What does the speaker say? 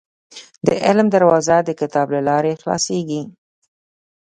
• د علم دروازه، د کتاب له لارې خلاصېږي.